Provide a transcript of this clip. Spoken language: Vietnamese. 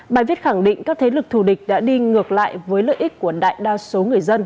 bài viết khẳng định các thế lực thù địch đã đi ngược lại với lợi ích của đại đa số người dân